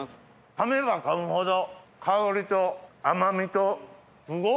噛めば噛むほど香りと甘みとすごい。